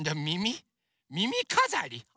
みみかざり？